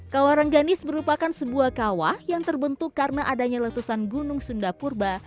kawarangganis merupakan sebuah kawah yang terbentuk karena adanya letusan gunung sunda purba